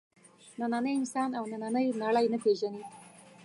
نننی انسان او نننۍ نړۍ نه پېژني.